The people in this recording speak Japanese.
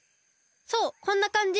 そうこんなかんじ！